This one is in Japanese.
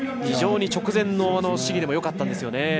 直前の試技でもよかったんですね。